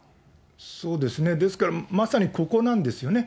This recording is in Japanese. そうですね、ですからまさにここなんですよね。